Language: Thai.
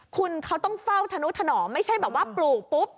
คุณเขาต้องเฝ้าธนุถนอมไม่ใช่แบบว่าปลูกปุ๊บ